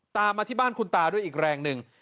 มาที่บ้านคุณตาด้วยอีกแรงหนึ่ง